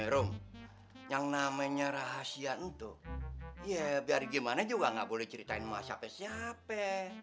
room yang namanya rahasia itu ya biar gimana juga nggak boleh ceritain sama siapa siapa